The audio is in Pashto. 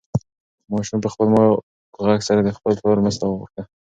ماشوم په خپل مات غږ سره د خپل پلار مرسته وغوښته.